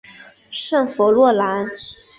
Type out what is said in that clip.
圣弗洛兰。